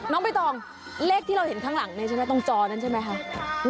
น้องใบตองเลขที่เราเห็นข้างหลังนี้ใช่ไหมตรงจอนั้นใช่ไหมคะ